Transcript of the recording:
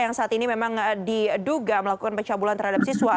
yang saat ini memang diduga melakukan pencabulan terhadap siswa